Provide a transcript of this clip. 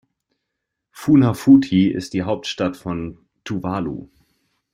Funafuti ist die Hauptstadt von Tuvalu.